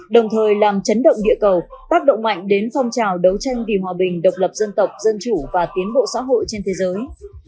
đồng thời làm chấn động địa cầu tác động mạnh đến phong trào đấu tranh vì hòa bình độc lập dân tộc dân chủ và tiến bộ xã hội trên thế giới